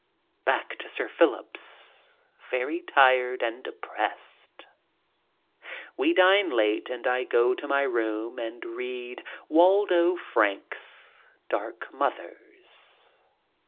Back to Sir Philip's, very tired and depressed. We dine late and I go to my room and read Waldo Frank's Dark Mothers.